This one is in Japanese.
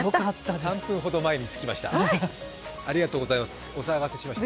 ３分ほど前に着きました。